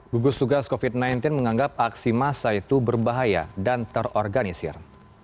gugus tugas covid sembilan belas menganggap aksi massa itu berbahaya dan terorganisir